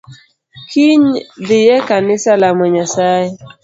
Kiny dhiye kanisa lamo nyasaye.